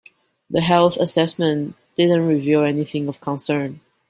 The health assessment didn't reveal anything of concern.